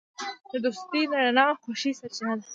دوستي د رڼا او خوښۍ سرچینه ده.